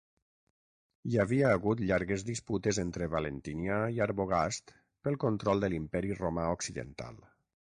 Hi havia hagut llargues disputes entre Valentinià i Arbogast pel control de l'Imperi romà Occidental.